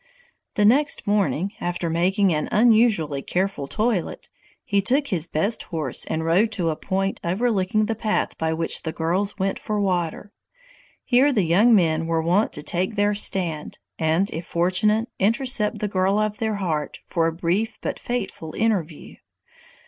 The next morning, after making an unusually careful toilet, he took his best horse and rode to a point overlooking the path by which the girls went for water. Here the young men were wont to take their stand, and, if fortunate, intercept the girl of their heart for a brief but fateful interview.